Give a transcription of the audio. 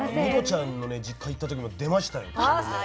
ウドちゃんの実家へ行った時も出ましたよ。